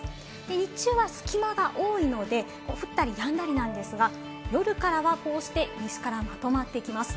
日中は隙間が多いので降ったりやんだりなんですが、夜からはこうして西からまとまっていきます。